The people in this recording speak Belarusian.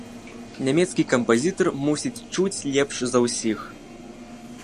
Нямецкі кампазітар мусіць чуць лепш за ўсіх.